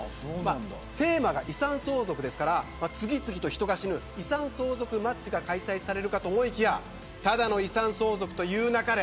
テーマが遺産相続ですから次々と人が死ぬ遺産相続マッチが開催されるかと思いきやただの遺産相続というなかれ。